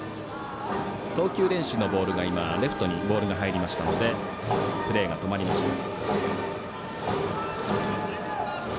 投球練習のボールがレフトにボールが入りましたのでプレーが止まりました。